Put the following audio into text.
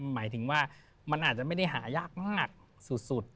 หมายถึงว่ามันอาจจะไม่ได้หายากมากสุด